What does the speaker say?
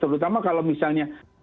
terutama kalau misalnya